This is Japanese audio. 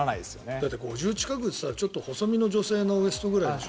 だって５０近くって細身の女性のウェストぐらいでしょ？